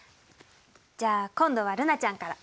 じゃあ今度は瑠菜ちゃんから。